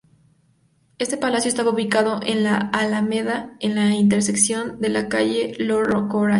Este palacio estaba ubicado en la Alameda, en la intersección con calle Lord Cochrane.